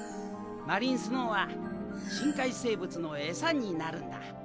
マリンスノーは深海生物のエサになるんだ。